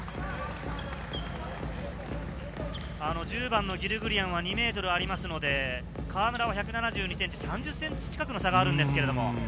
１０番のギルグリアンは２ｍありますので、河村は１７２ｃｍ、３０ｃｍ近くの差があるんですけれども。